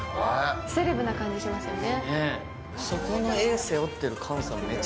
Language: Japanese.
セレブな感じしますよね。